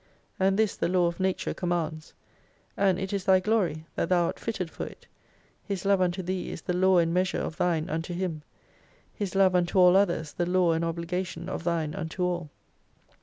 And this the Law of Nature commands. And it is thy glory that thou art fitted for it. His love unto thee is the law and measure of thine unto Him : His love unto all others the law and obligation of thine unto all.